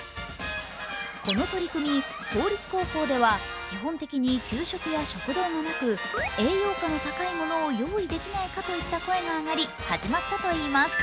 この取り組み、公立高校では基本的に給食や食堂がなく、栄養価の高いものを用意できないかといった声が上がり、始まったといいます。